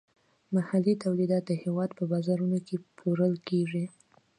محلي تولیدات د هیواد په بازارونو کې پلورل کیږي.